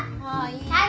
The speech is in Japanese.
はい。